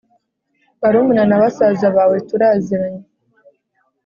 barumuna na basaza bawe turaziranye